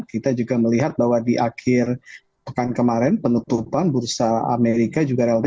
kita juga melihat bahwa di akhir pekan kemarin penutupan bursa amerika juga relatif